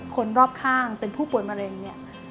คนรอบข้างเป็นผู้ป่วยมะเร็งเนี่ย